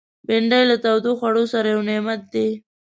بېنډۍ له تودو خوړو سره یو نعمت دی